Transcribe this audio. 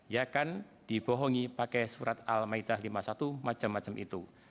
ya kan dibohongi pakai surat al ma'idah lima puluh satu macam macam itu